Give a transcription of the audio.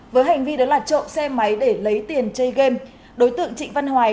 với hành vi đặt trộn xe máy để lấy tiền chơi game đối tượng trịnh văn hoài